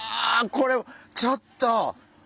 これちょっと！